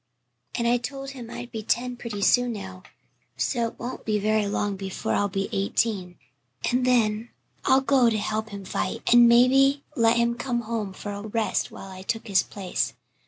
And I told him I would be ten pretty soon now, so it won't be very long before I'll be eighteen, and then I'll go to help him fight, and maybe let him come home for a rest while I took his place.